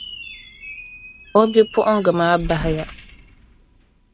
A bipuɣiŋga maa bahiya.